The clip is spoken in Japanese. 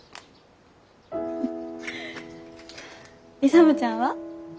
勇ちゃんは？